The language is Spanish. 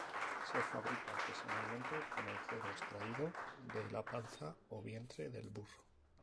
Se fabrica artesanalmente con el cuero extraído de la panza o vientre del burro.